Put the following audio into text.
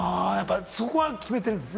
そこは決めてるんですね。